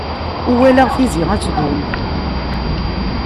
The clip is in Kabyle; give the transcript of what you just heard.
Ur walaɣ tizi ad tdum.